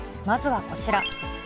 まずはこちら。